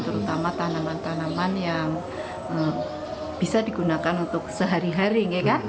terutama tanaman tanaman yang bisa digunakan untuk sehari hari